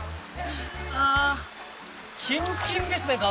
キンキンですね川。